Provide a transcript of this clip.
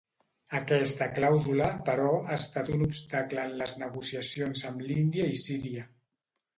Aquesta clàusula, però, ha estat un obstacle en les negociacions amb l'Índia i Síria.